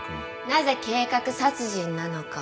なぜ計画殺人なのか？